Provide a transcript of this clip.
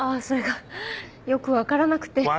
それがよく分からなくて。